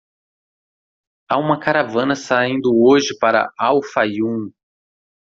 "Há uma caravana saindo hoje para Al-Fayoum."